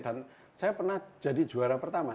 dan saya pernah jadi juara pertama